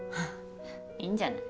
いいんじゃない。